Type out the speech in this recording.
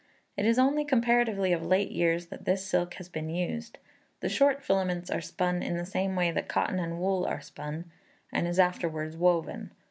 It is only comparatively of late years that this silk has been used. The short filaments are spun in the same way that cotton and wool are spun, and is afterwards woven.